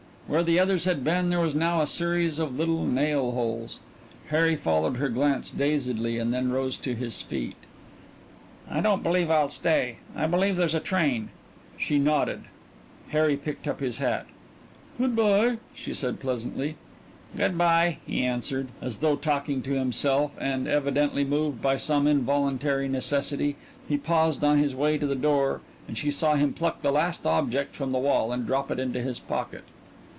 Where the others had been, there was now a series of little nail holes. Harry followed her glance dazedly and then rose to his feet. "I don't believe I'll stay. I believe there's a train." She nodded. Harry picked up his hat. "Good by," she said pleasantly. "Good by," he answered, as though talking to himself and, evidently moved by some involuntary necessity, he paused on his way to the door and she saw him pluck the last object from the wall and drop it into his pocket.